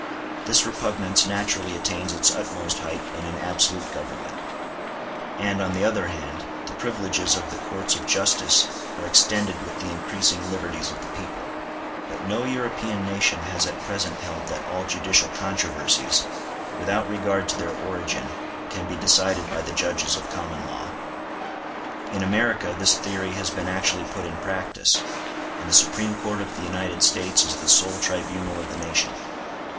This repugnance naturally attains its utmost height in an absolute Government; and, on the other hand, the privileges of the courts of justice are extended with the increasing liberties of the people: but no European nation has at present held that all judicial controversies, without regard to their origin, can be decided by the judges of common law. In America this theory has been actually put in practice, and the Supreme Court of the United States is the sole tribunal of the nation.